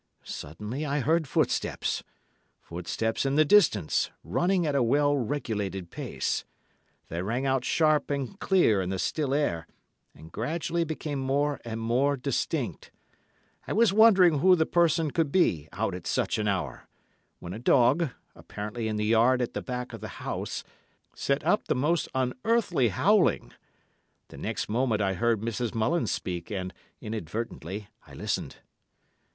Suddenly I heard footsteps—footsteps in the distance, running at a well regulated pace. They rang out sharp and clear in the still air, and gradually became more and more distinct. I was wondering who the person could be, out at such an hour, when a dog, apparently in the yard at the back of the house, set up the most unearthly howling. The next moment I heard Mrs. Mullins speak, and, inadvertently, I listened.